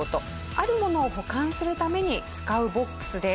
あるものを保管するために使うボックスです。